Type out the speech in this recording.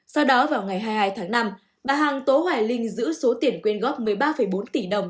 sau đó vào ngày hai mươi hai tháng năm bà hằng tố hoài linh giữ số tiền quyên góp một mươi ba bốn tỷ đồng